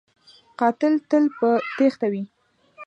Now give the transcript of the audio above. قاتل تل په تیښته وي